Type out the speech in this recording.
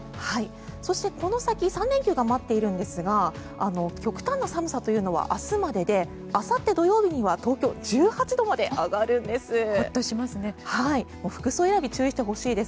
そして、この先３連休が待っているんですが極端な寒さというのは明日までであさって土曜日には東京、１８度まで上がるんです。